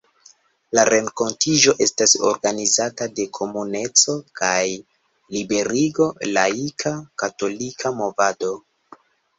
La renkontiĝo estas organizata de Komuneco kaj Liberigo, laika, katolika movado.